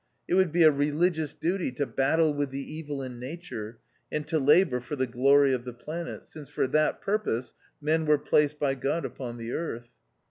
It would be a religious duty to battle with the evil in Nature, and to labour for the glory of the planet, since for that purpose men were placed by God upon the earth.